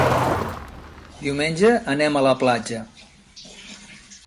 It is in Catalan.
Diumenge anem a la platja.